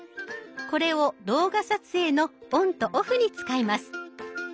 これを動画撮影のオンとオフに使います。